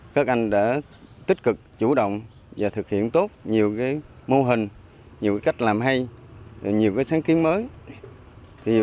các anh đã tích cực chủ động và thực hiện tốt nhiều mô hình nhiều cách làm hay nhiều sáng kiến mới